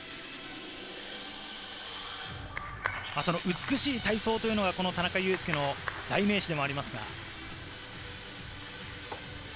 美しい体操というのが田中佑典の代名詞でもあります。